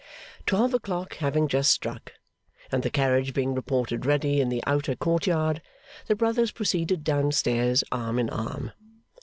Twelve o'clock having just struck, and the carriage being reported ready in the outer court yard, the brothers proceeded down stairs arm in arm.